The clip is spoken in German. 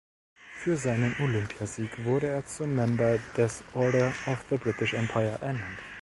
Für seinen Olympiasieg wurde er zum "Member des Order of the British Empire" ernannt.